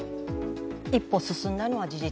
一歩進んだのは事実。